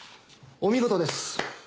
お見事です。